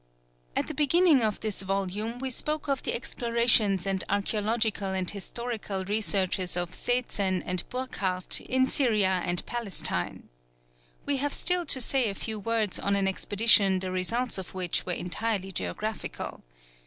At the beginning of this volume we spoke of the explorations and archæological and historical researches of Seetzen and Burckhardt in Syria and Palestine. We have still to say a few words on an expedition the results of which were entirely geographical.